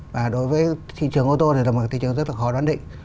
và đối với thị trường ô tô thì là một thị trường rất là khó đoán định